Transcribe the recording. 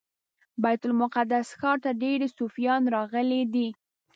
بیت المقدس ښار ته ډیری صوفیان راغلي دي.